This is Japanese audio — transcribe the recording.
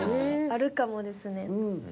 あるかもですね。